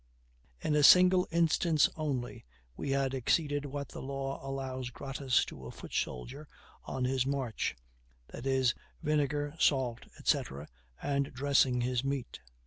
In a single instance only we had exceeded what the law allows gratis to a foot soldier on his march, viz., vinegar, salt, etc., and dressing his meat.